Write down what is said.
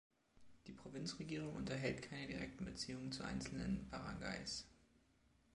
Die Provinzregierung unterhält keine direkten Beziehungen zu einzelnen Barangays.